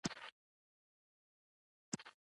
ځیني قیدونه ګرامري اړخ لري؛ نه قاموسي.